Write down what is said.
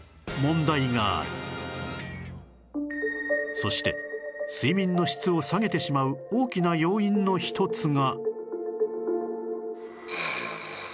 そして睡眠の質を下げてしまう大きな要因の一つが